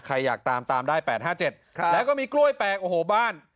อ่ะใครอยากตามตามได้แปดห้าเจ็ดครับแล้วก็มีกล้วยแปลกโอ้โหบ้าน